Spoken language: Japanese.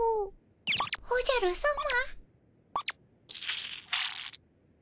おじゃるさま。